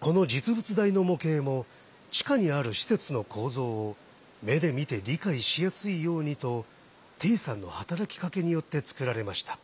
この実物大の模型も地下にある施設の構造を目で見て理解しやすいようにと丁さんの働きかけによって作られました。